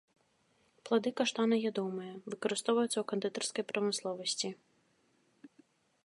Плады каштана ядомыя, выкарыстоўваюцца ў кандытарскай прамысловасці.